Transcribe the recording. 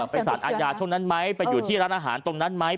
ไปสารอาญาช่วงนั้นไหมไปอยู่ที่ร้านอาหารตรงนั้นไหม